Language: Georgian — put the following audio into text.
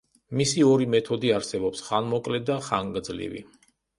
მისი ორი მეთოდი არსებობს: ხანმოკლე და ხანგრძლივი.